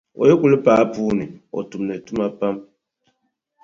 O yi kuli paai puu ni, o tumdi tuma pam.